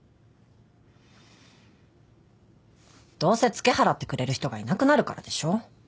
どうせつけ払ってくれる人がいなくなるからでしょ。